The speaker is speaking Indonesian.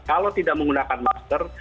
kalau tidak menggunakan masker